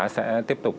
sẽ tiếp tục